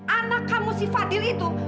anak kamu si fadil itu